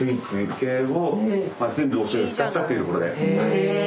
へえ！